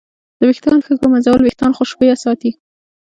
د ویښتانو ښه ږمنځول وېښتان خوشبویه ساتي.